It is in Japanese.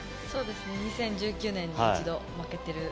２０１９年に一度負けてます。